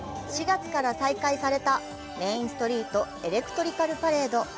４月から再開されたメインストリート・エレクトリカル・パレード。